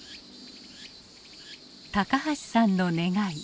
高橋さんの願い。